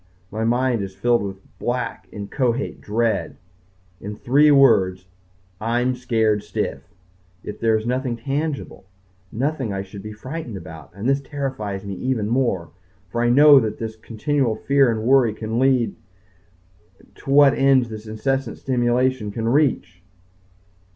My mind is filled with black, inchoate dread. In three words, I'm scared stiff! Yet there is nothing tangible nothing I should be frightened about, and this terrifies me even more. For I know where this continual fear and worry can lead to what ends this incessant stimulation can reach.